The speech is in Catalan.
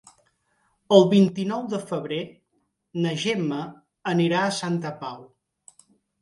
El vint-i-nou de febrer na Gemma anirà a Santa Pau.